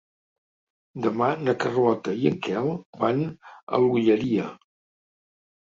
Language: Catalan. Demà na Carlota i en Quel van a l'Olleria.